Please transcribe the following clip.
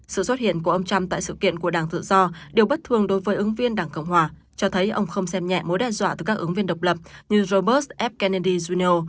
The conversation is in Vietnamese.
sự xuất hiện của ông trump tại sự kiện của đảng tự do điều bất thường đối với ứng viên đảng cộng hòa cho thấy ông không xem nhẹ mối đe dọa từ các ứng viên độc lập như robert fennedy juneo